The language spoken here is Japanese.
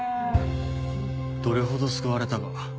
どれほど救われたか。